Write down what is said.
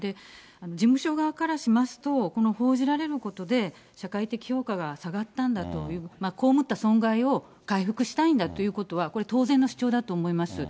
事務所側からしますと、この報じられることで、社会的評価が下がったんだと、こうむった損害を回復したいんだということは、これ当然の主張だと思います。